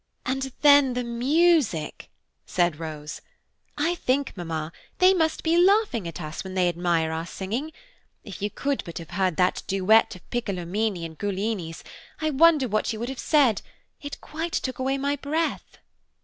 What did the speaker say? "And then the music!" said Rose. "I think, mamma, they must be laughing at us when they admire our singing. If you could but have heard that duet of Piccolomini and Giuglini's, I wonder what you would have said. It quite took away my breath."